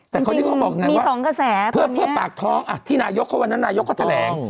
แต่คนที่ก็บอกอย่างนั้นว่าเพื่อปากท้องอ่ะที่นายกเขาวันนั้นนายกเขาแถลง